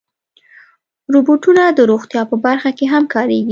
روبوټونه د روغتیا په برخه کې هم کارېږي.